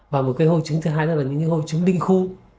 và một cái hội chứng thứ hai là những hội chứng đinh khu